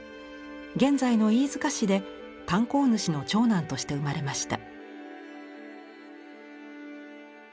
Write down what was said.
現在の飯塚市で炭鉱主の長男として生まれました。